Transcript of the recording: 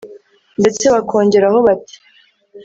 ndetse bakongeraho bati